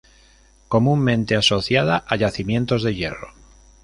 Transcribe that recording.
Comúnmente asociada a yacimientos de hierro.